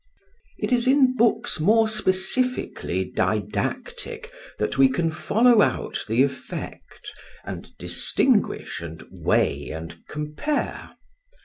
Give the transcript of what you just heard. It is in books more specifically didactic that we can follow out the effect, and distinguish and weigh and compare.